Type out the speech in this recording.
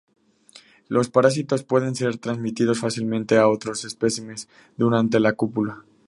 Los parásitos pueden ser transmitidos fácilmente a otros especímenes durante la cópula.